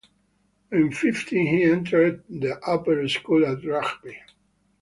When fifteen he entered the Upper School at Rugby.